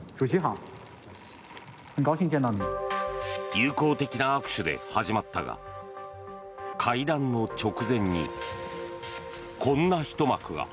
友好的な握手で始まったが会談の直前に、こんなひと幕が。